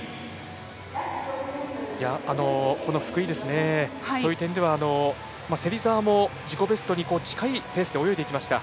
福井、そういう点では芹澤も自己ベストに近いペースで泳いでいきました。